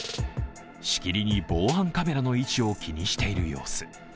しきりに防犯カメラの位置を気にしている様子。